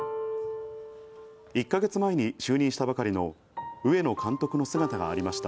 １か月前に就任したばかりの上野監督の姿がありました。